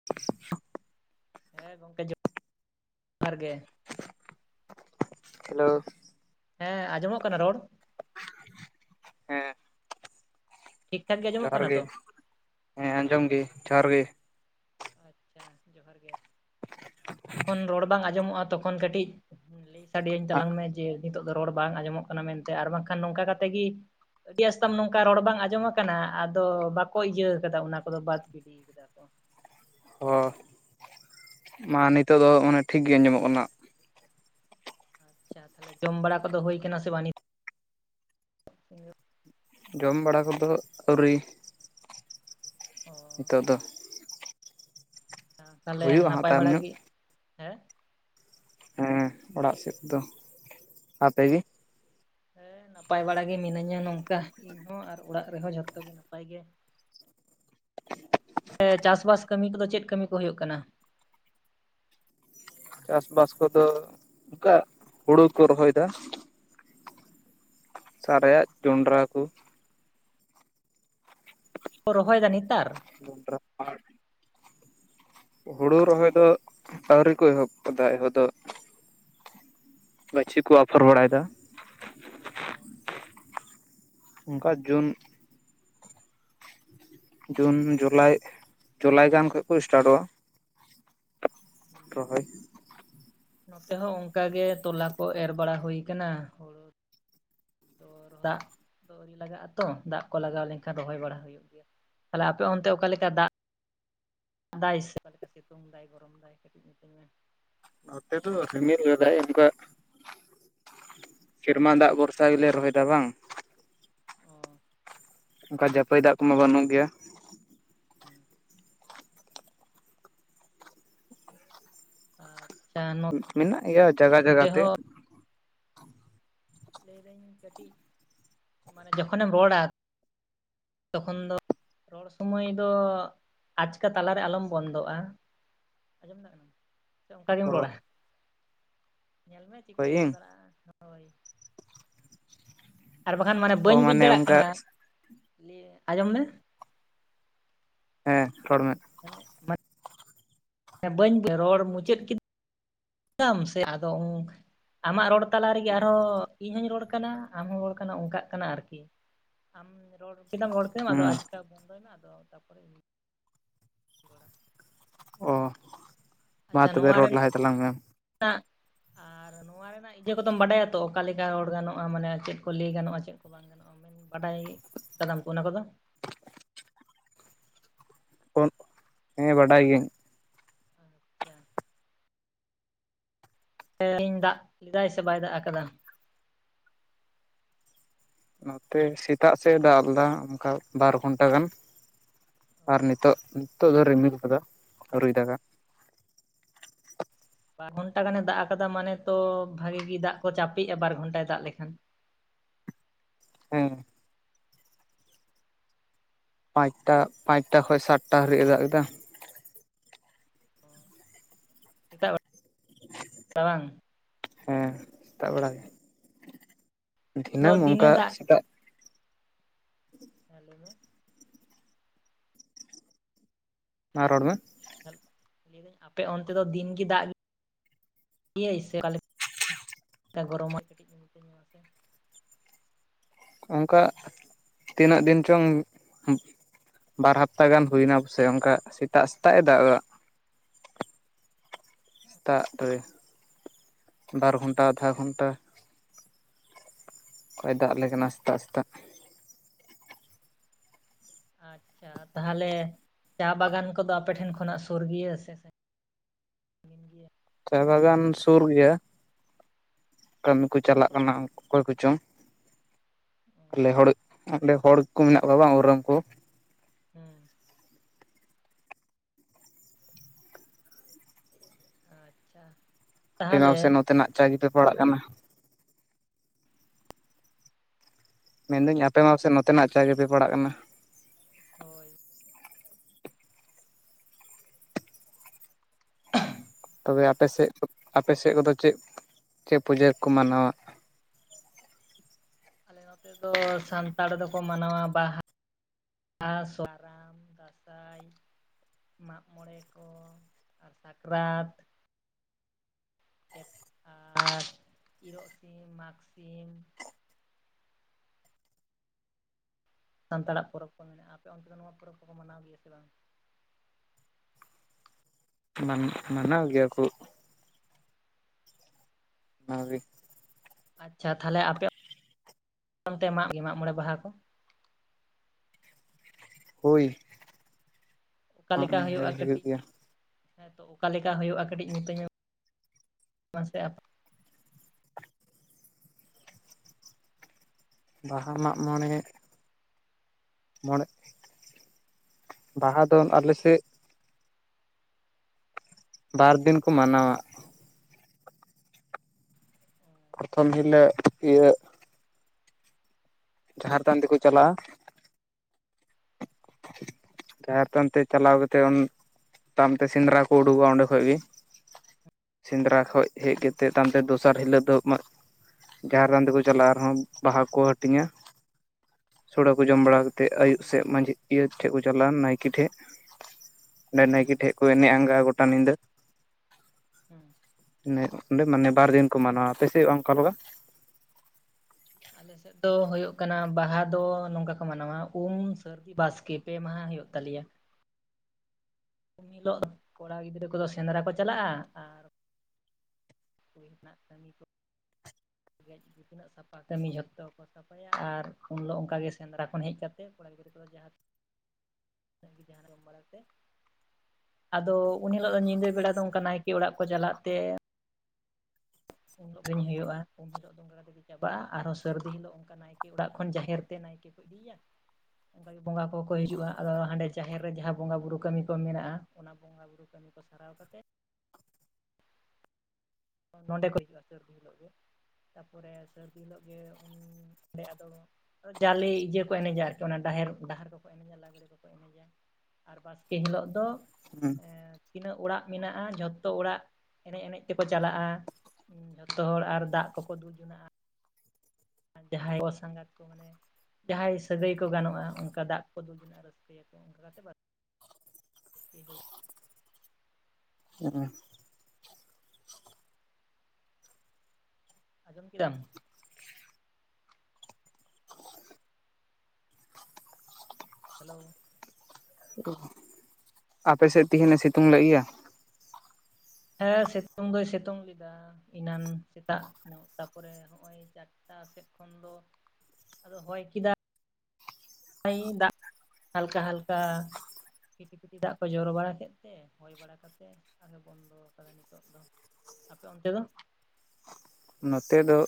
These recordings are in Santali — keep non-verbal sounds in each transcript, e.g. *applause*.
*inaudible* ᱦᱮ ᱜᱚᱝᱠᱮ *inaudible* ᱦᱟᱨ ᱜᱮ᱾ ᱦᱮᱞᱳ᱾ ᱦᱮ ᱟᱡᱚᱢᱚᱜ ᱠᱟᱱᱟ ᱨᱚᱲ? ᱦᱮᱸ᱾ ᱴᱷᱤᱠ ᱴᱷᱟᱠ ᱟᱸᱡᱚᱢᱚᱜ ᱡᱚᱦᱟᱨ ᱠᱟᱱᱟ ᱜᱮ, ᱛᱚ? ᱦᱮᱸ ᱟᱸᱡᱚᱢ ᱜᱮ, ᱡᱚᱸᱦᱟᱨ ᱜᱮ᱾ ᱟᱪᱪᱷᱟ ᱡᱚᱠᱷᱚᱱ ᱨᱚᱲ ᱵᱟᱝ ᱟᱸᱡᱚᱢᱚᱜᱼᱟ ᱛᱚᱠᱷᱚᱱ ᱠᱟᱹᱴᱤᱡ ᱞᱟᱹᱭ ᱥᱟᱰᱮᱟᱹᱧ ᱛᱟᱞᱟᱝ ᱢᱮ ᱡᱮ ᱱᱤᱛᱚᱜ ᱫᱚ ᱨᱚᱲ ᱵᱟᱝ ᱟᱸᱡᱚᱢᱚᱜ ᱠᱟᱱᱟ ᱢᱮᱱᱛᱮ ᱟᱨ ᱵᱟᱝᱠᱷᱟᱱ ᱱᱚᱝᱠᱟ ᱠᱟᱛᱮ ᱜᱮ ᱟᱹᱰᱤ ᱟᱥᱛᱟᱢ ᱱᱚᱝᱠᱟ ᱨᱚᱲ ᱵᱟᱝ ᱟᱸᱡᱚᱢ ᱟᱠᱟᱱᱟ ᱟᱫᱚ ᱵᱟᱠᱚ ᱤᱭᱟᱹ ᱟᱠᱟᱫᱟ ᱚᱱᱟ ᱠᱚᱫᱚ ᱵᱟᱫ ᱜᱮ᱾ ᱤᱭᱟᱹ ᱠᱮᱫᱟ ᱠᱚ᱾ ᱦᱚ ᱢᱟ ᱱᱤᱛᱚᱜ ᱫᱚ ᱢᱟᱱᱮ ᱴᱷᱤᱠ ᱜᱮ ᱟᱸᱡᱚᱢᱚᱜ ᱠᱟᱱᱟ᱾ ᱟᱪᱪᱷᱟ ᱛᱟᱦᱚᱞᱮ ᱡᱚᱢ ᱵᱟᱲᱟ ᱠᱚᱫᱚ ᱦᱩᱭ ᱠᱟᱱᱟ ᱥᱮ ᱵᱟᱝ ᱱᱤᱛ? ᱡᱚᱢ ᱵᱟᱲᱟ ᱠᱚᱫᱚ ᱟᱹᱣᱨᱤ ᱚ ᱱᱤᱛᱚᱜ ᱫᱚ᱾ ᱛᱟᱦᱚᱞᱮ ᱦᱩᱭᱩᱜᱼᱟ ᱦᱟᱸᱜ ᱱᱟᱯᱟᱭ ᱛᱟᱭᱚᱢ ᱵᱟᱲᱟ ᱧᱚᱜ ᱜᱮ ᱦᱮᱸ? ᱦᱮᱸ ᱚᱲᱟᱜ ᱥᱮᱫ ᱫᱚ᱾ ᱟᱯᱮ ᱜᱮ? ᱦᱮᱸ ᱱᱟᱯᱟᱭ ᱵᱟᱲᱟ ᱜᱮ ᱢᱤᱱᱟᱹᱧᱟ ᱱᱚᱝᱠᱟ ᱤᱧ ᱦᱚᱸ ᱟᱨ ᱚᱲᱟᱜ ᱨᱮᱦᱚᱸ ᱡᱷᱚᱛᱚ ᱜᱮ ᱱᱟᱯᱟᱭ ᱜᱮ᱾ ᱪᱟᱥᱵᱟᱥ ᱠᱟᱹᱢᱤ ᱠᱚᱫᱚ ᱪᱮᱫ ᱠᱟᱹᱢᱤ ᱠᱚ ᱦᱩᱭᱩᱜ ᱠᱟᱱᱟ᱾ ᱪᱟᱥᱵᱟᱥ ᱠᱚᱫᱚ ᱚᱱᱠᱟ ᱦᱩᱲᱩ ᱠᱚ ᱨᱚᱦᱚᱭ ᱫᱟ᱾ ᱥᱟᱨᱮᱡᱟᱜ ᱡᱚᱸᱰᱨᱟ ᱠᱚ᱾ ᱠᱚ ᱨᱚᱦᱚᱭᱫᱟ ᱱᱮᱛᱟᱨ? ᱡᱚᱸᱵᱨᱟ ᱯᱟᱲ᱾ ᱦᱩᱲᱩ ᱨᱚᱦᱚᱭ ᱫᱚ ᱟᱹᱣᱨᱤ ᱠᱚ ᱮᱦᱚᱵ ᱟᱠᱟᱫᱟ ᱮᱦᱚᱵ ᱫᱚ᱾ ᱜᱟᱹᱪᱷᱤ ᱠᱚ ᱟᱯᱷᱚᱨ ᱵᱟᱲᱟᱭᱫᱟ᱾ ᱚ᱾ ᱚᱱᱠᱟ ᱡᱩᱱ ᱡᱩᱱ ᱡᱩᱞᱟᱭ ᱡᱩᱞᱟᱭ ᱜᱟᱱ ᱠᱷᱚᱡ ᱠᱚ ᱥᱴᱟᱴᱚᱜᱼᱟ᱾ ᱦᱮᱸ᱾ ᱨᱚᱦᱚᱭ ᱱᱚᱛᱮ ᱦᱚᱸ ᱚᱱᱠᱟ ᱜᱮ ᱛᱚᱞᱟ ᱠᱚ ᱮᱨ ᱵᱟᱲᱟ ᱦᱩᱭ ᱠᱟᱱᱟ᱾ ᱦᱩᱲᱩ ᱫᱟᱜ ᱫᱚ ᱟᱹᱣᱨᱤ ᱞᱟᱜᱟᱜ-ᱟ ᱛᱚ ᱫᱟᱜ ᱠᱚ ᱞᱟᱜᱟᱣ ᱞᱮᱱᱠᱷᱟᱱ ᱨᱚᱦᱚᱭ ᱵᱟᱲᱟ ᱦᱩᱭᱩᱜ ᱜᱮᱭᱟ᱾ ᱛᱟᱦᱞᱮ ᱟᱯᱮ ᱚᱱᱛᱮ ᱚᱠᱟᱮᱠᱟ ᱫᱟᱜ ᱮᱫᱟᱭ ᱥᱮ ᱥᱤᱛᱩᱝ ᱫᱟᱭ ᱾ ᱜᱚᱨᱚᱢᱫᱟᱭ ᱠᱟᱹᱴᱤᱡ *unintelligible* ᱢᱤᱛᱟᱹᱧᱟ ᱱᱚᱛᱮ ᱫᱚ ᱨᱤᱢᱤᱞ ᱞᱮᱫᱟᱭ ᱚᱱᱠᱟ ᱾ ᱥᱮᱨᱢᱟ ᱫᱟᱜ ᱵᱷᱚᱨᱥᱟ ᱜᱮᱞᱮ ᱨᱚᱦᱚᱭ ᱮᱫᱟ ᱵᱟᱝ? ᱚᱸᱻ᱾ ᱚᱱᱠᱟ ᱡᱟᱹᱯᱟᱹᱭ ᱫᱟᱜ ᱠᱚᱢᱟ ᱵᱟᱹᱱᱩᱜ ᱜᱮᱭᱟ ᱾ ᱦᱩᱸ᱾ ᱟᱪᱷᱟ ᱾ ᱢᱮᱱᱟᱜ ᱜᱮᱭᱟ ᱡᱟᱜᱟ ᱡᱟᱜᱟ ᱛᱮ ᱞᱟᱹᱭᱫᱟᱹᱧ ᱠᱟᱹᱴᱤᱡ ᱢᱟᱱᱮ ᱡᱚᱠᱷᱚᱱᱮᱢ ᱨᱚᱲᱟ ᱾ ᱛᱚᱠᱷᱚᱱ ᱫᱚ ᱾ ᱨᱚᱲ ᱥᱩᱢᱟᱹᱭ ᱫᱚ ᱟᱪᱠᱟ ᱛᱟᱞᱟᱨᱮ ᱟᱞᱚᱢ ᱵᱚᱱᱫᱚᱜᱼᱟ ᱾ ᱟᱸᱡᱚᱢ ᱫᱟᱢ ᱥᱮ ᱚᱱᱠᱟ ᱜᱮᱢ ᱚ ᱨᱚᱲᱟ? ᱧᱮᱞ ᱢᱮ ᱪᱮᱫ ᱞᱮᱠᱟᱢ ᱚᱠᱚᱭ ᱨᱚᱲ ᱤᱧ ᱫᱟᱲᱮᱭᱟᱜ-ᱟ ᱾ ᱟᱨ ᱵᱟᱠᱷᱟᱱ ᱢᱟᱱᱮ ᱚ ᱵᱟᱹᱧ ᱵᱩᱡᱽ ᱫᱟᱲᱮᱭᱟᱜ ᱚᱱᱠᱟ ᱠᱟᱱᱟ ᱞᱟᱹᱭ ᱟᱸᱡᱚᱢ ᱢᱮ ᱦᱮᱸ ᱨᱚᱲ ᱢᱮ ᱾ ᱢᱟᱱᱮ *inaudible* ᱵᱟᱹᱧ ᱨᱚᱲ *unintelligible* ᱢᱩᱪᱟᱹᱫ ᱠᱮᱫᱟᱟᱢ ᱥᱮ ᱟᱫᱚ ᱟᱢᱟᱜ ᱨᱚᱲ ᱛᱟᱞᱟ ᱨᱮᱜᱮ ᱟᱨᱦᱚᱸ ᱤᱧ ᱦᱚᱧ ᱨᱚᱲ ᱠᱟᱱᱟ ᱟᱢ ᱦᱚᱸᱢ ᱨᱚᱲ ᱠᱟᱱᱟ ᱚᱱᱠᱟᱜ ᱠᱟᱱᱟ ᱟᱨᱠᱤ᱾ ᱟᱢ ᱨᱚᱲ ᱠᱮᱫᱟᱢ ᱨᱚᱲ ᱠᱮᱫᱟᱢ ᱟᱫᱚ ᱦᱩᱸ ᱟᱪᱠᱟ ᱵᱚᱱᱫᱚᱭ ᱢᱮ ᱟᱫᱚ ᱛᱟᱨᱯᱚᱨᱮ ᱤᱧ ᱨᱚᱲᱟ ᱚ ᱢᱟ ᱟᱪᱪᱷᱟ ᱛᱚᱵᱮ ᱱᱚᱣᱟ ᱨᱚᱲ ᱞᱟᱦᱟᱭ ᱛᱟᱞᱟᱝ ᱢᱮ *unintelligible* *unintelligible* ᱟᱨ ᱱᱚᱣᱟ ᱨᱮᱱᱟᱜ ᱤᱭᱟᱹ ᱠᱚᱫᱚᱢ ᱵᱟᱰᱟᱭᱟ ᱛᱚ ᱚᱠᱟ ᱞᱮᱠᱟ ᱨᱚᱲ ᱜᱟᱱᱚᱜᱼᱟ ᱢᱟᱱᱮ ᱪᱮᱫ ᱠᱚ ᱞᱟᱹᱭ ᱜᱟᱱᱚᱜᱼᱟ ᱪᱮᱫ ᱠᱚ ᱵᱟᱝ ᱜᱟᱱᱚᱜᱼᱟ ᱾ ᱟᱢᱮᱢ ᱵᱟᱰᱟᱭ ᱟᱠᱟᱫᱟᱢ ᱚᱱᱟ ᱠᱚᱫᱚ ᱾ ᱦᱮᱸ ᱵᱟᱰᱟᱭ ᱜᱤᱭᱟᱹᱧ ᱾ ᱟᱪᱷᱟ ᱾ ᱫᱟᱜ ᱞᱮᱫᱟᱭ ᱥᱮ ᱵᱟᱭ ᱫᱟᱜ ᱟᱠᱟᱫᱟ ᱾ ᱱᱚᱛᱮ ᱥᱮᱛᱟᱜ ᱥᱮᱫ-ᱮ ᱫᱟᱜ ᱞᱮᱫᱟ ᱚᱱᱠᱟ ᱵᱟᱨ ᱜᱷᱚᱱᱴᱟ ᱜᱟᱱ ᱾ ᱟᱨ ᱱᱤᱛᱚᱜ ᱱᱤᱛᱚᱜ ᱫᱚ ᱨᱤᱢᱤᱞ ᱟᱠᱟᱫᱟ ᱟᱣᱨᱤ ᱫᱟᱜᱟ ᱾ ᱵᱟᱨ ᱜᱷᱚᱱᱴᱟ ᱜᱟᱱᱮ ᱫᱟᱜ ᱟᱠᱟᱫᱟ ᱢᱟᱱᱮ ᱛᱚ ᱵᱷᱟᱜᱤ ᱜᱮ ᱫᱟᱜ ᱠᱚ ᱪᱟᱯᱮᱜᱼᱟ ᱵᱟᱨ ᱜᱷᱚᱱᱴᱟᱭ ᱫᱟᱜ ᱞᱮᱠᱷᱟᱱ ᱾ ᱦᱮᱸ ᱾ ᱯᱟᱸᱪᱴᱟ ᱯᱟᱸᱪᱴᱟ ᱠᱷᱚᱱ ᱥᱟᱛᱴᱟ ᱦᱟᱹᱨᱤᱡ ᱮ ᱫᱟᱜ ᱮᱫᱟ ᱾ ᱮᱛᱟᱜᱼᱟ ᱨᱟᱝ *unintelligible* ᱦᱮᱸ ᱥᱮᱛᱟᱜ ᱵᱮᱲᱟ ᱜᱮ ᱟᱫᱚ ᱫᱷᱤᱱᱟᱹᱢ ᱫᱤᱱᱮ ᱚᱱᱠᱟ ᱫᱟᱜ ᱥᱮᱛᱟᱜ ᱾ ᱦᱮᱸ ᱞᱟᱭ ᱢᱮ ᱾ ᱢᱟ ᱨᱚᱲ ᱢᱮ ᱾ ᱞᱟᱹᱭᱫᱟᱹᱧ ᱟᱯᱮ ᱚᱱᱛᱮ ᱫᱚ ᱫᱤᱱᱜᱮ ᱫᱟᱜ ᱾ ᱤᱭᱟ ᱤᱥᱟ ᱟᱞᱮ ᱮ *inaudible* ᱜᱚᱨᱚᱢᱚ ᱠᱟᱴᱤᱡ ᱚᱱᱠᱟ ᱛᱤᱱᱟᱹᱜ ᱫᱤᱱ ᱪᱚᱝ ᱾ ᱵᱟᱨ ᱦᱟᱯᱛᱟ ᱜᱟᱱ ᱦᱩᱭᱮᱱᱟ ᱯᱟᱥᱮ ᱚᱱᱠᱟ ᱥᱮᱛᱟᱜ ᱥᱮᱛᱟᱜ ᱮ ᱫᱟᱜᱟᱜ ᱫᱟ ᱾ ᱥᱮᱛᱟᱜ ᱨᱮ ᱵᱟᱨ ᱜᱷᱚᱱᱴᱟ ᱟᱫᱷᱟ ᱜᱷᱚᱱᱴᱟ ᱾ ᱫᱟᱜ ᱟᱞᱮ ᱠᱟᱱᱟᱭ ᱥᱮᱛᱟᱜ ᱥᱮᱛᱟᱜ ᱾ ᱟᱪᱷᱟ ᱛᱟᱦᱚᱞᱮ ᱪᱟ ᱵᱟᱜᱟᱱ ᱠᱚᱫᱚ ᱟᱯᱮᱴᱷᱮᱱ ᱠᱷᱚᱱᱟᱜ ᱥᱚᱨ ᱜᱮᱭᱟ ᱥᱮ ᱥᱮ ᱪᱟᱭ ᱵᱟᱜᱟᱱ ᱥᱩᱨ ᱜᱮᱭᱟ ᱾ ᱠᱟᱹᱢᱤ ᱠᱚ ᱪᱟᱞᱟᱜ ᱠᱟᱱᱟ ᱚᱠᱚᱭ ᱠᱚᱪᱚᱝ ᱾ ᱟᱞᱮ ᱦᱚᱲ *unintelligible* ᱦᱚᱲ ᱠᱚ ᱢᱮᱱᱟᱜ ᱠᱚᱣᱟ ᱵᱟᱝ *unintelligible* ᱠᱚ ᱦᱮᱸ ᱟᱪᱪᱷᱟ ᱵᱮᱱᱟᱣ ᱛᱟᱦᱚᱞᱮ ᱥᱮ ᱱᱚᱛᱮᱱᱟᱜ ᱪᱟ ᱜᱮᱯᱮ ᱯᱟᱲᱟᱜ ᱠᱟᱱᱟ ᱢᱮᱱᱫᱟᱹᱧ ᱟᱯᱮ ᱢᱟᱥᱮᱫ ᱱᱚᱛᱮᱱᱟᱜ ᱪᱟ ᱜᱮᱯᱮ ᱯᱟᱲᱟᱜ ᱠᱟᱱᱟ ᱦᱳᱭ ᱛᱚᱵᱮ ᱟᱯᱮ ᱥᱮᱫ ᱟᱯᱮ ᱥᱮᱫ ᱠᱚᱫᱚ ᱪᱮᱫ ᱪᱮᱫ ᱯᱩᱡᱟᱹ ᱠᱚᱠᱚ ᱢᱟᱱᱟᱣᱟ ᱟᱞᱮ ᱱᱚᱛᱮ ᱫᱚ ᱥᱟᱱᱛᱟᱲ ᱫᱚᱠᱚ ᱢᱟᱱᱟᱣᱟ ᱵᱟᱦᱟ ᱥᱚᱨᱦᱟᱭ ᱫᱟᱸᱥᱟᱭ ᱢᱟᱜ ᱢᱚᱬᱮ ᱠᱚ ᱟᱨ ᱥᱟᱠᱨᱟᱛᱼᱼ *unintelligible* ᱟᱨ ᱤᱨᱚᱜ ᱥᱤᱢ ᱢᱟᱜᱽ ᱥᱤᱢ ᱥᱟᱱᱛᱟᱲᱟᱜ ᱯᱚᱨᱚᱵᱽ ᱠᱚ ᱢᱮᱱᱟᱜᱼᱟ ᱟᱯᱮ ᱚᱱᱛᱮ ᱫᱚ ᱱᱚᱣᱟ ᱯᱚᱨᱚᱵᱽ ᱠᱚᱠᱚ ᱢᱟᱱᱟᱣ ᱜᱮᱭᱟ ᱥᱮ ᱵᱟᱝ *unintelligible* ᱢᱟᱱᱟᱣ ᱜᱮᱭᱟ ᱠᱚ ᱟᱣᱨᱤ ᱟᱪᱪᱷᱟ ᱛᱟᱦᱚᱞᱮ ᱟᱯᱮ *unintelligible* ᱮᱢᱟᱜ ᱜᱮ ᱢᱟᱜ ᱢᱚᱬᱮ ᱵᱟᱦᱟ ᱠᱚ ᱦᱳᱭ ᱚᱠᱟᱮ ᱢᱟᱜ ᱞᱮᱠᱟ ᱢᱚᱬᱮ ᱦᱩᱭᱩᱜᱼᱟ ᱦᱩᱭᱩᱜ ᱠᱟᱹᱴᱤᱡ ᱜᱮᱭᱟ ᱦᱮᱸ ᱛᱚ ᱚᱠᱟ ᱞᱮᱠᱟ ᱦᱩᱭᱩᱜᱼᱟ ᱠᱟᱹᱴᱤᱡ ᱢᱤᱛᱟᱹᱧᱟᱹ ᱢᱟᱥᱮ ᱵᱟᱦᱟ ᱢᱟᱜ ᱢᱚᱬᱮ ᱢᱚᱬᱮ ᱵᱟᱦᱟ ᱫᱚ ᱟᱞᱮ ᱥᱮᱫ ᱵᱟᱨ ᱫᱤᱱ ᱠᱚ ᱢᱟᱱᱟᱣᱟ ᱯᱨᱚᱛᱷᱚᱢ ᱡᱤᱞᱮ ᱤᱭᱟᱹ ᱡᱟᱦᱮᱨ ᱛᱷᱟᱱ ᱛᱮᱠᱚ ᱪᱟᱞᱟᱜᱼᱟ ᱡᱟᱦᱮᱨ ᱛᱷᱟᱱ ᱛᱮ ᱪᱟᱞᱟᱣ ᱠᱟᱛᱮᱫ ᱩᱱᱼᱼ ᱛᱟᱭᱚᱢ ᱛᱮ ᱥᱮᱸᱫᱽᱨᱟ ᱠᱚ ᱩᱰᱩᱠᱚᱜᱼᱟ ᱚᱸᱰᱮ ᱠᱷᱚᱡ ᱜᱮᱼᱼ ᱥᱮᱸᱫᱽᱨᱟ ᱠᱷᱚᱱ ᱦᱮᱡ ᱠᱟᱛᱮᱫ ᱛᱟᱭᱚᱢ ᱛᱮ ᱫᱚᱥᱟᱨ ᱦᱤᱞᱳᱜ ᱫᱚᱼᱼ ᱡᱟᱦᱮᱨ ᱛᱟᱱ ᱛᱮᱠᱚ ᱪᱟᱞᱟᱜᱼᱟ ᱟᱨᱦᱚᱸ ᱵᱟᱦᱟᱠᱚ ᱦᱟᱹᱴᱤᱧᱟ ᱥᱳᱲᱮ ᱠᱚ ᱡᱚᱢ ᱵᱟᱲᱟ ᱠᱟᱛᱮ ᱛᱮ ᱟᱹᱭᱩᱵ ᱥᱮᱫ ᱢᱟᱺᱡᱷᱤ ᱯᱤᱭᱟᱹ ᱴᱷᱮᱡ ᱠᱚ ᱪᱟᱞᱟᱜᱼᱟ ᱱᱟᱭᱠᱮ ᱴᱷᱮᱡ ᱚᱸ ᱱᱟᱭᱠᱤ ᱴᱷᱮᱡ ᱠᱚ ᱮᱱᱮᱡ ᱟᱸᱜᱟᱼᱟ ᱜᱚᱴᱟ ᱧᱤᱫᱟᱹ ᱮ ᱚᱸᱰᱮ ᱢᱟᱱᱮ ᱵᱟᱨ ᱫᱤᱱ ᱠᱚ ᱢᱟᱱᱟᱣᱟ ᱟᱯᱮᱥᱮ ᱚᱱᱠᱟ ᱞᱮᱠᱟ ᱟᱞᱮ ᱥᱮᱫ ᱫᱚ ᱦᱩᱭᱩᱜ ᱠᱟᱱᱟ ᱵᱟᱦᱟ ᱫᱚ ᱱᱚᱝᱠᱟ ᱠᱚ ᱢᱟᱱᱟᱣᱟ ᱩᱢ ᱥᱟᱹᱨᱼᱼ ᱤ ᱵᱟᱥᱠᱮ ᱯᱮ ᱢᱟᱦᱟ ᱦᱩᱭᱩᱜ ᱛᱟᱞᱮᱭᱟ ᱩᱱ ᱦᱤᱞᱳᱜ ᱠᱚᱲᱟ ᱜᱤᱫᱽᱨᱟᱹ ᱠᱚᱫᱚ ᱥᱮᱸᱫᱽᱨᱟ ᱠᱚ ᱪᱟᱞᱟᱜᱼᱟ ᱟᱨᱼᱼ *unintelligible* *unintelligible* ᱥᱟᱯᱷᱟ ᱠᱟᱹᱢᱤ ᱡᱷᱚᱛᱚ ᱠᱚ ᱥᱟᱯᱷᱟᱭᱟ ᱟᱨ ᱩᱱ ᱦᱤᱞᱳᱜ ᱚᱱᱠᱟᱜ ᱜᱮ ᱥᱮᱸᱫᱽᱨᱟ ᱠᱷᱚᱱ ᱦᱮᱡ ᱠᱟᱛᱮ ᱠᱚᱲᱟ ᱜᱤᱫᱽᱨᱟᱹ ᱠᱚᱫᱚ ᱡᱟᱦᱟᱸᱼᱼ *unintelligible* ᱟᱫᱚ ᱩᱱ ᱦᱤᱞᱳᱜ ᱫᱚ ᱧᱤᱫᱟᱹ ᱵᱮᱲᱟ ᱫᱚ ᱚᱱᱠᱟ ᱱᱟᱭᱠᱮ ᱚᱲᱟᱜ ᱠᱚ ᱪᱟᱞᱟᱜ ᱛᱮ ᱩᱱ ᱦᱩᱭᱩᱜᱼᱟ ᱩᱢ ᱦᱤᱞᱳᱜ ᱫᱚ᱾ ᱟᱨ ᱛᱮᱜᱮ ᱪᱟᱵᱟᱜᱼᱟ ᱟᱨᱦᱚᱸ ᱥᱟᱹᱨᱫᱤ ᱦᱤᱞᱳᱜ ᱚᱱᱠᱟ ᱱᱟᱭᱠᱮ ᱚᱲᱟᱜ ᱠᱷᱚᱱ ᱡᱟᱦᱮᱨ ᱛᱮ ᱱᱟᱭᱠᱮ ᱠᱚ ᱤᱫᱤᱭᱟ ᱚᱱᱠᱟ ᱵᱚᱸᱜᱟ ᱠᱚᱦᱚᱸ ᱠᱚ ᱦᱤᱡᱩᱜᱼᱟ᱾ ᱟᱫᱚ ᱦᱟᱸᱰᱮ ᱡᱟᱦᱮᱨ ᱨᱮ ᱡᱟᱦᱟᱸ ᱵᱚᱸᱜᱟ ᱵᱩᱨᱩ ᱠᱟᱹᱢᱤ ᱠᱚ ᱢᱮᱱᱟᱜᱼᱟ᱾ ᱚᱱᱟ ᱵᱚᱸᱜᱟ ᱵᱩᱨᱩᱼᱼ ᱵᱩᱨᱩ ᱠᱟᱹᱢᱤ ᱠᱚ ᱥᱟᱨᱟᱣ ᱠᱟᱛᱮᱫ ᱱᱚᱸᱰᱮ ᱠᱚ ᱦᱤᱡᱩᱜᱼᱟ ᱥᱟᱹᱨᱫᱤ ᱦᱤᱞᱳᱜ ᱜᱮ ᱾ ᱛᱟᱯᱚᱨᱮ ᱥᱟᱹᱨᱫᱤ ᱦᱤᱞᱳᱜ ᱜᱮ ᱚᱸᱰᱮ ᱟᱫᱚ ᱡᱟᱞᱮ ᱤᱭᱟᱹ ᱠᱚ ᱮᱱᱮᱡᱟ ᱟᱨᱠᱤ ᱚᱱᱟ ᱰᱟᱦᱮᱨ, ᱰᱟᱦᱟᱨ ᱠᱚᱠᱚ ᱮᱱᱮᱡᱟ ᱞᱟᱜᱽᱲᱮ ᱠᱚᱠᱚ ᱟᱨ ᱵᱟᱥᱠᱮ ᱦᱤᱞᱳᱜ ᱫᱚᱼᱼ ᱛᱤᱱᱟᱹᱜ ᱚᱲᱟᱜ ᱢᱮᱱᱟᱜᱼᱟ ᱡᱷᱚᱛᱚ ᱚᱲᱟᱜ ᱮᱱᱮᱡᱽ ᱮᱱᱮᱡᱽ ᱛᱮ ᱠᱚᱼᱼ ᱪᱟᱞᱟᱜᱼᱟ ᱩᱱ ᱡᱚᱛᱚ ᱦᱚᱲ ᱟᱨ ᱫᱟᱜ ᱠᱚᱠᱚ ᱫᱩᱞ ᱡᱚᱱᱟᱜᱼᱟ᱾ ᱡᱟᱦᱟᱸᱭ ᱠᱚ ᱥᱟᱸᱜᱟᱛ ᱠᱚ ᱢᱮᱱᱮ ᱡᱟᱦᱟᱸᱭ ᱥᱟᱹᱜᱟᱹᱭ ᱠᱚ ᱜᱟᱱᱚᱜᱼᱟ, ᱚᱱᱠᱟ ᱫᱟᱜ ᱠᱚ ᱫᱩᱞ ᱨᱮᱱᱟᱜ ᱨᱟᱹᱥᱠᱟᱹᱭ ᱟᱠᱚ ᱚᱱᱠᱟ ᱠᱟᱛᱮᱜ *inaudible* ᱦᱮᱸᱜ-ᱮᱸ᱾ ᱟᱸᱡᱚᱢ ᱠᱮᱫᱟᱢ? ᱦᱮᱞᱳ᱾ *inaudible* ᱟᱯᱮ ᱥᱮᱫ ᱛᱤᱦᱤᱧ ᱮ ᱥᱤᱛᱩᱝ ᱞᱮᱫ ᱜᱮᱭᱟ? ᱦᱮᱸ ᱥᱤᱛᱩᱝ ᱫᱚᱭ ᱥᱤᱛᱩᱝ ᱞᱮᱫᱟ ᱮᱱᱟᱱ ᱥᱮᱛᱟᱜ ᱧᱚᱜ ᱛᱟᱯᱚᱨᱮ ᱦᱚᱸᱜ ᱚᱸᱭ ᱪᱟᱴᱴᱟ ᱥᱮᱫ ᱠᱷᱚᱱ ᱫᱚ ᱟᱫᱚ ᱦᱚᱭ ᱠᱮᱫᱟ᱾ *unintelligible* ᱫᱟᱜ ᱦᱟᱞᱠᱟ ᱦᱟᱞᱠᱟ ᱯᱷᱤᱴᱤᱼᱯᱷᱤᱴᱤ ᱫᱟᱜ ᱠᱚ ᱡᱚᱨᱚ ᱵᱟᱲᱟ ᱠᱮᱫ ᱛᱮ ᱦᱚᱭ ᱵᱟᱲᱟ ᱠᱟᱛᱮ ᱟᱫᱚ ᱵᱚᱱᱫᱚ ᱟᱠᱟᱫᱟ ᱱᱤᱛᱚᱜ ᱫᱚ᱾ ᱟᱯᱮ ᱚᱱᱛᱮ ᱫᱚ? ᱱᱚᱛᱮ ᱫᱚ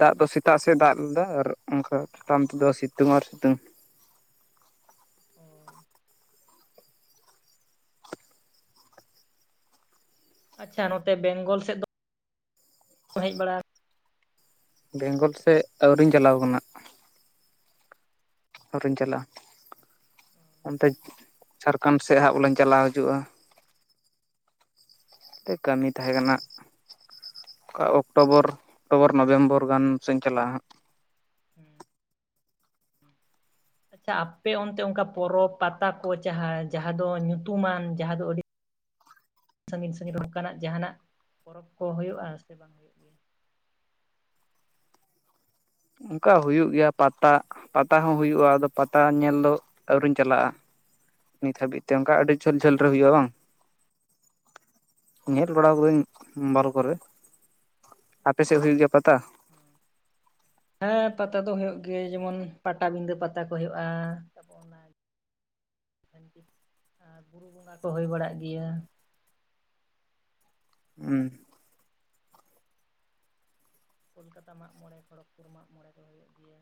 ᱫᱟᱜ ᱫᱚ ᱥᱮᱛᱟᱜ ᱥᱮᱫ ᱫᱟᱜ ᱞᱮᱫᱟ ᱟᱨ ᱚᱱᱠᱟ ᱪᱮᱛᱟᱱ ᱛᱮᱫᱚ ᱥᱤᱛᱩᱝ ᱟᱨ ᱥᱤᱛᱩᱝ᱾ ᱚ᱾ ᱟᱪᱪᱷᱟ ᱱᱚᱛᱮ ᱵᱮᱝᱜᱚᱞ ᱥᱮᱫ ᱫᱚ ᱦᱮᱡ ᱵᱟᱲᱟᱣ ᱵᱮᱝᱜᱚᱞ ᱥᱮᱡ ᱟᱹᱣᱨᱤᱧ ᱪᱟᱞᱟᱣ ᱠᱟᱱᱟ᱾ ᱟᱣᱨᱤᱧ ᱪᱟᱞᱟᱜᱼᱟ᱾ ᱚᱱᱛᱮ ᱡᱷᱟᱲᱠᱷᱚᱸᱰ ᱥᱮᱫ ᱦᱟᱸᱜ ᱵᱚᱞᱮᱧ ᱪᱟᱞᱟᱣ ᱦᱤᱡᱩᱜᱼᱟ᱾ ᱴᱮ ᱠᱟᱹᱢᱤ ᱛᱟᱦᱮᱸ ᱠᱟᱱᱟ᱾ ᱚᱠᱟ ᱚᱠᱴᱳᱵᱚᱨ, ᱚᱠᱴᱳᱵᱚᱨ ᱱᱚᱵᱷᱮᱢᱵᱚᱨ ᱜᱟᱱ ᱥᱮᱧ ᱪᱟᱞᱟᱜᱼᱟ ᱦᱟᱸᱜ᱾ ᱦᱩᱸ ᱟᱪᱪᱷᱟ ᱟᱯᱮ ᱚᱱᱛᱮ ᱚᱱᱠᱟ ᱯᱚᱨᱚᱵᱽ ᱯᱟᱛᱟ ᱠᱚ ᱡᱟᱦᱟᱸ ᱡᱟᱦᱟᱸ ᱫᱚ ᱧᱩᱛᱩᱢᱟᱱ ᱡᱟᱦᱟᱸ ᱫᱚ ᱟᱹᱰᱤ ᱥᱟᱺᱜᱤᱧ ᱥᱟᱺᱜᱤᱧ ᱱᱚᱝᱠᱟᱱᱟᱜ ᱡᱟᱦᱟᱱᱟᱜ ᱯᱚᱨᱚᱵᱽ ᱠᱚ ᱦᱳᱭᱳᱜᱼᱟ ᱥᱮ ᱵᱟᱝ ᱦᱳᱭᱳᱜ ᱜᱮᱭᱟ? ᱚᱝᱠᱟ ᱦᱩᱭᱩᱜ ᱜᱮᱭᱟ ᱯᱟᱛᱟ᱾ ᱯᱟᱛᱟ ᱦᱚᱸ ᱦᱩᱭᱩᱜᱼᱟ, ᱟᱫᱚ ᱯᱟᱛᱟ ᱧᱮᱞ ᱫᱚ ᱟᱹᱣᱨᱤᱧ ᱪᱟᱞᱟᱜᱼᱟ᱾ ᱱᱤᱛ ᱦᱟᱹᱵᱤᱡ ᱛᱮ ᱚᱱᱠᱟ ᱟᱹᱰᱤ ᱡᱷᱟᱹᱞ ᱡᱷᱟᱹᱞ ᱨᱮ ᱦᱩᱭᱩᱜᱼᱟ ᱵᱟᱝ᱾ ᱧᱮᱞ ᱦᱩᱸ ᱵᱟᱲᱟᱣ ᱠᱟᱹᱫᱟᱹᱧ᱾ ᱢᱵᱟᱭᱤᱞ ᱠᱚᱨᱮ, ᱟᱯᱮ ᱥᱮᱫ ᱦᱩᱭᱩᱜ ᱜᱮᱭᱟ ᱯᱟᱛᱟ? ᱦᱮᱸ ᱯᱟᱛᱟ ᱫᱚ ᱦᱳᱭᱳᱜ ᱜᱮ ᱡᱮᱢᱚᱱ ᱯᱟᱴᱟᱵᱤᱸᱫᱟᱹ ᱯᱟᱛᱟ ᱠᱚ ᱦᱳᱭᱳᱜᱼᱟ᱾ ᱛᱟᱯᱚᱨ ᱚᱱᱟ ᱟᱨ ᱵᱩᱨᱩ ᱵᱚᱸᱜᱟ ᱠᱚ ᱦᱳᱭ ᱵᱟᱲᱟᱜ ᱜᱮᱭᱟ᱾ ᱦᱩᱸ᱾ ᱠᱳᱞᱠᱟᱛᱟ ᱢᱟᱜ ᱢᱚᱬᱮ, ᱠᱷᱚᱲᱚᱜᱽᱯᱩᱨ ᱢᱟᱜᱽ ᱢᱚᱬᱮ ᱠᱚ ᱦᱳᱭᱳᱜ ᱜᱮᱭᱟ,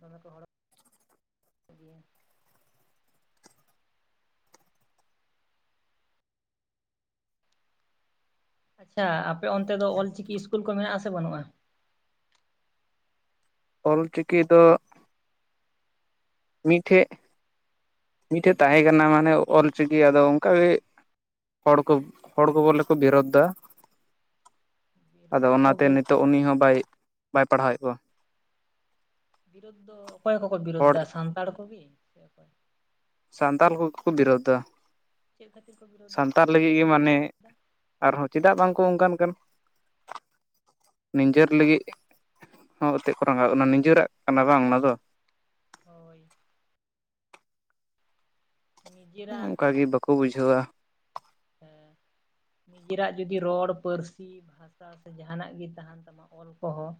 ᱫᱚᱢᱮ ᱠᱚ ᱦᱚᱲᱚᱜ ᱜᱮᱭᱟ᱾ ᱟᱪᱪᱷᱟ ᱟᱯᱮ ᱚᱱᱛᱮ ᱫᱚ ᱚᱞᱪᱤᱠᱤ ᱤᱥᱠᱩᱞ ᱠᱚ ᱢᱮᱱᱟᱜ ᱟᱥᱮ ᱵᱟᱹᱱᱩᱜᱼᱟ? ᱚᱞᱪᱤᱠᱤ ᱫᱚ ᱢᱤᱫᱴᱷᱮᱡ, ᱢᱤᱫᱴᱷᱮᱡ ᱛᱟᱦᱮᱸ ᱠᱟᱱᱟ ᱢᱟᱱᱮ ᱚᱞᱪᱤᱠᱤ ᱟᱫᱚ ᱚᱱᱠᱟ ᱜᱮ ᱦᱚᱲ ᱠᱚ, ᱦᱚᱲ ᱠᱚ ᱵᱚᱞᱮ ᱠᱚ ᱵᱤᱨᱳᱫᱷᱫᱟ᱾ *inaudible* ᱟᱫᱚ ᱫᱟᱠᱚ ᱚᱱᱟᱛᱮ ᱵᱚᱞ ᱱᱤᱛᱚᱜ ᱩᱱᱤ ᱦᱚᱸ ᱵᱟᱭ, ᱵᱟᱭ ᱯᱟᱲᱦᱟᱣᱮᱫ ᱠᱚᱣᱟ᱾ ᱵᱤᱨᱩᱫᱽ ᱫᱚ ᱚᱠᱚᱭ ᱠᱚᱠᱚ ᱦᱚᱲ ᱵᱤᱨᱩᱫᱽᱫᱟ ᱥᱟᱱᱛᱟᱲ ᱠᱚᱜᱮ ᱥᱮ ᱚᱠᱚᱭ? ᱥᱟᱱᱛᱟᱞ ᱠᱚᱜᱮ ᱠᱚ ᱵᱤᱨᱳᱫᱷᱫᱟ ᱪᱮᱫ ᱠᱷᱟᱹᱛᱤᱨ ᱠᱚ ᱵᱤᱨᱳᱫ ᱥᱟᱱᱛᱟᱞ ᱞᱟᱹᱜᱤᱫ ᱜᱮ ᱢᱟᱱᱮ ᱫᱟ ᱟᱨᱦᱚᱸ ᱪᱮᱫᱟᱜ ᱵᱟᱝᱠᱚ ᱚᱱᱠᱟᱱ ᱠᱟᱱᱟ? ᱱᱤᱡᱮᱨ ᱞᱟᱹᱜᱤᱫ ᱦᱚᱸ ᱮᱛᱮᱫ ᱠᱚ ᱨᱟᱸᱜᱟᱶᱜ ᱠᱟᱱᱟ ᱱᱤᱡᱮᱨᱟᱜ ᱠᱟᱱᱟ ᱵᱟᱝ ᱚᱱᱟ ᱫᱚ᱾ ᱦᱳᱭ᱾ ᱱᱤᱡᱮᱨᱟᱜ ᱚᱝᱠᱟ ᱜᱮ ᱵᱟᱠᱚ ᱵᱩᱡᱷᱟᱹᱣᱟ᱾ ᱱᱤᱡᱮᱨᱟᱜ ᱡᱩᱫᱤ ᱨᱚᱲ ᱯᱟᱹᱨᱥᱤ ᱵᱷᱟᱥᱟ ᱥᱮ ᱡᱟᱦᱟᱱᱟᱜ ᱜᱮ ᱛᱟᱦᱮᱱ ᱛᱟᱢᱟ ᱚᱞ ᱠᱚᱦᱚᱸ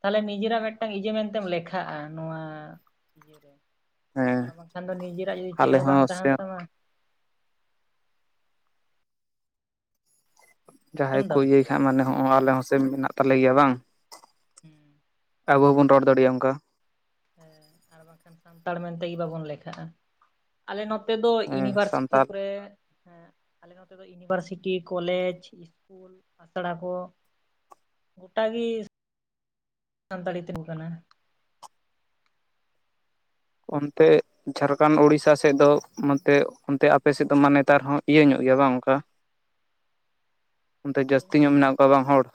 ᱛᱟᱦᱚᱞᱮ ᱱᱤᱡᱮᱨᱟᱜ ᱢᱤᱫᱴᱟᱝ ᱤᱭᱟᱹ ᱢᱮᱱᱛᱮᱢ ᱞᱮᱠᱷᱟᱜᱼᱟ ᱱᱚᱣᱟ ᱟᱨ ᱦᱮᱸ ᱵᱟᱝᱠᱷᱟᱱ ᱫᱳ ᱱᱤᱡᱮᱨᱟᱜ ᱡᱩᱫᱤ ᱪᱮᱫ ᱟᱞᱮ ᱦᱚᱸ ᱵᱟᱝ ᱥᱮ ᱛᱟᱦᱮᱱ ᱛᱟᱢᱟ ᱡᱟᱦᱟᱸᱭ ᱟᱸᱡᱚᱢ ᱠᱳ ᱫᱟᱢ ᱤᱭᱟᱹᱭ ᱠᱷᱟᱡ ᱢᱟᱱᱮ ᱦᱚᱸᱜ ᱚᱭ ᱟᱞᱮ ᱦᱚᱸᱥᱮ ᱢᱮᱱᱟᱜ ᱛᱟᱞᱮ ᱜᱮᱭᱟ ᱵᱟᱝ ᱦᱩᱸ ᱟᱵᱚ ᱦᱚᱸᱵᱚᱱ ᱨᱚᱲ ᱫᱟᱲᱮᱭᱟᱜᱼᱟ ᱚᱱᱠᱟ ᱦᱮᱸ ᱟᱨ ᱵᱟᱝᱠᱷᱟᱱ ᱥᱟᱱᱛᱟᱲ ᱢᱮᱱᱛᱮ ᱜᱮ ᱵᱟᱵᱚᱱ ᱞᱮᱠᱷᱟᱜᱼᱟ ᱟᱞᱮ ᱱᱚᱛᱮ ᱫᱚ ᱦᱮᱸ ᱤᱭᱩᱱᱤᱵᱷᱟᱨᱥᱤᱴᱤ ᱥᱟᱱᱛᱟᱲ ᱠᱚᱨᱮ ᱦᱮᱸ ᱟᱞᱮ ᱱᱚᱛᱮ ᱫᱚ ᱤᱭᱩᱱᱤᱵᱷᱟᱨᱥᱤᱴᱤ ᱠᱚᱞᱮᱡᱽ ᱤᱥᱠᱩᱞ ᱟᱥᱲᱟ ᱠᱳ ᱜᱚᱴᱟ ᱜᱮ ᱥᱟᱱᱛᱟᱲᱤ ᱛᱤᱸᱜᱩ ᱠᱟᱱᱟ ᱚᱱᱛᱮ ᱡᱷᱟᱲᱠᱷᱚᱱᱰ ᱩᱲᱤᱥᱥᱟ ᱥᱮᱫ ᱫᱚ ᱱᱚᱱᱮ ᱚᱱᱛᱮ ᱟᱯᱮ ᱥᱮᱫ ᱫᱚ ᱢᱟ ᱱᱮᱛᱟᱨ ᱦᱚᱸ ᱤᱭᱟᱹ ᱧᱚᱜ ᱜᱮᱭᱟ ᱵᱟᱝ ᱚᱱᱠᱟ *unintelligible* ᱚᱱᱛᱮ ᱤᱭᱟᱹ ᱡᱟᱹᱥᱛᱤ ᱧᱚᱜ ᱵᱚᱞᱛᱮ ᱢᱮᱱᱟᱜ ᱠᱚᱣᱟ ᱵᱟᱝ ᱦᱚᱲ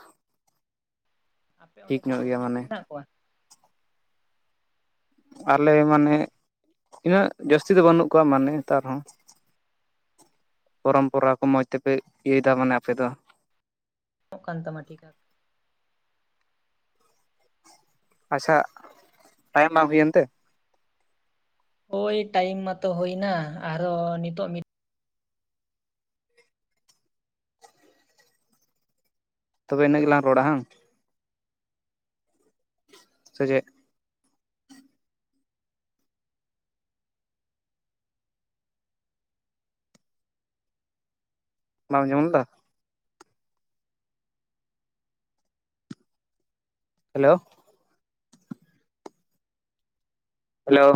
ᱟᱯᱮ ᱚᱸᱰᱮ ᱴᱷᱤᱠ ᱠᱚᱢ ᱜᱮᱭᱟ ᱧᱚᱜ ᱜᱮ ᱢᱟᱱᱮ ᱢᱮᱱᱟᱜ ᱠᱚᱣᱟ ᱟᱞᱮ ᱢᱟᱱᱮ ᱩᱱᱟᱹᱜ ᱡᱟᱹᱥᱛᱤ ᱫᱚ ᱵᱟᱹᱱᱩᱜ ᱠᱚᱣᱟ ᱢᱟᱱᱮ ᱱᱮᱛᱟᱨ ᱦᱚᱸ ᱯᱚᱨᱚᱢᱯᱚᱨᱟ ᱠᱚ ᱢᱚᱡᱽ ᱛᱮᱯᱮ ᱤᱭᱟᱹᱭ ᱛᱟᱵᱚᱱᱟ ᱟᱯᱮᱫᱚ *inaudible* ᱠᱟᱱ ᱛᱟᱢ ᱴᱷᱤᱠᱟ ᱟᱪᱪᱷᱟ ᱴᱟᱭᱤᱢ ᱵᱟᱝ ᱦᱩᱭ ᱮᱱ ᱛᱮ ᱳᱭ ᱴᱟᱭᱤᱢ ᱢᱟᱛᱚ ᱦᱩᱭ ᱮᱱᱟ ᱟᱨ ᱦᱚᱸ ᱱᱤᱛᱚᱜ ᱡᱤᱫ ᱛᱚᱵᱮ ᱤᱱᱟᱹᱜ ᱜᱮᱞᱟᱝ ᱨᱚᱲᱟ ᱦᱮᱸ ᱥᱮᱪᱮᱫ ᱵᱟᱢ ᱟᱡᱚᱢ ᱮᱫᱟ ᱦᱮᱞᱳ ᱦᱮᱞᱳ